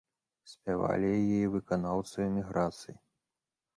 Спявалі яе і выканаўцы ў эміграцыі.